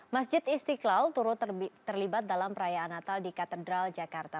masjid istiqlal turut terlibat dalam perayaan natal di katedral jakarta